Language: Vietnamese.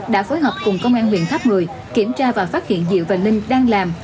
đã phối hợp cùng công an huyện tháp một mươi kiểm tra và phát hiện diệu và linh đang làm